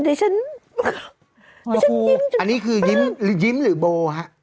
ดิฉันยิ้มจนอันนี้คือยิ้มหรือโบ่ครับ